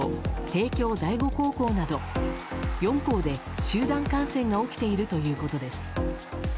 帝京第五高校など４校で集団感染が起きているということです。